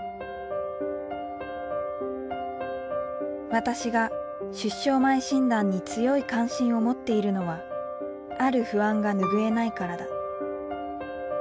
私が出生前診断に強い関心を持っているのはある不安が拭えないからだ。